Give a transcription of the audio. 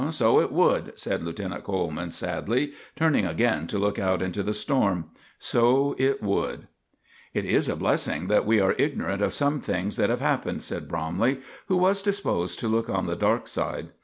"So it would," said Lieutenant Coleman, sadly, turning again to look out into the storm "so it would." "It is a blessing that we are ignorant of some things that have happened," said Bromley, who was disposed to look on the dark side.